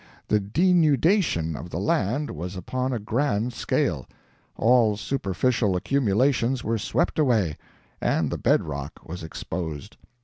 The denudation of the land was upon a grand scale. All superficial accumulations were swept away, and the bedrock was exposed.